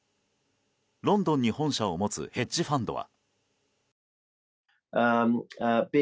ロンドンに本社を持つヘッジファンドは。